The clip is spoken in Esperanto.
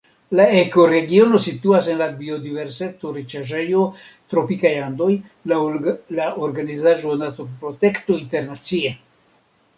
La ekoregiono situas en la biodiverseco-riĉaĵejo Tropikaj Andoj laŭ la organizaĵo Naturprotekto Internacie.